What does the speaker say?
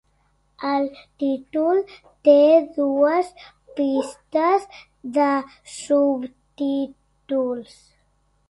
El títol té dues pistes de subtítols.